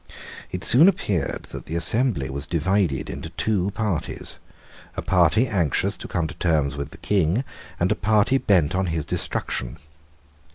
It soon appeared that the assembly was divided into two parties, a party anxious to come to terms with the King, and a party bent on his destruction.